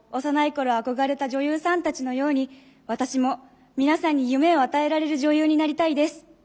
幼い頃憧れた女優さんたちのように私も皆さんに夢を与えられる女優になりたいです。